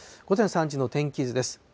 午前３時の天気図です。